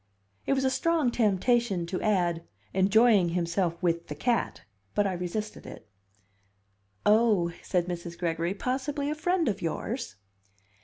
It was a strong temptation to add, "enjoying himself with the cat," but I resisted it. "Oh!" said Mrs. Gregory. "Possibly a friend of yours?"